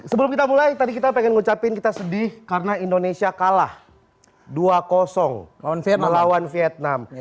sebelum kita mulai tadi kita pengen ngucapin kita sedih karena indonesia kalah dua melawan vietnam